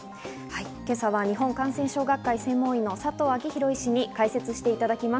今朝は日本感染症学会専門医の佐藤昭裕医師に解説していただきます。